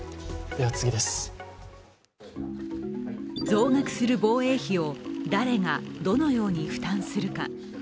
増額する防衛費を誰が、どのように負担するか。